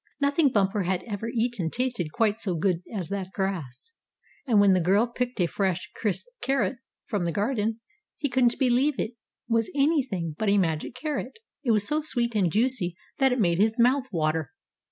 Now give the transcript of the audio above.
Nothing Bumper had ever eaten tasted quite so good as that grass, and when the girl picked a fresh, crisp carrot from the garden he couldn't believe it was anything but a magic carrot. It was so sweet and juicy that it made his mouth water.